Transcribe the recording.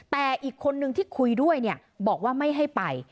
แต่อีกคนนึงที่คุยด้วยบอกว่าไม่ให้ไป